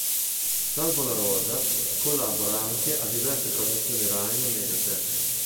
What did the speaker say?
Salvo La Rosa collabora anche a diverse trasmissioni Rai e Mediaset.